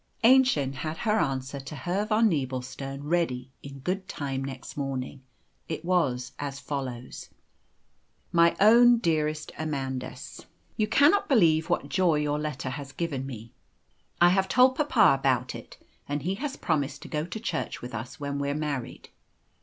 Aennchen had her answer to Herr von Nebelstern ready in good time next morning. It was as follows: "MY OWN DEAREST AMANDUS "You cannot believe what joy your letter has given me. I have told papa about it, and he has promised to go to church with us when we're married.